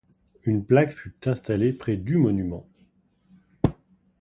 Une plaque fut installée près du monument.